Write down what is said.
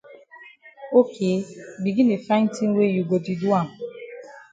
Ok begin di find tin wey you go di do am.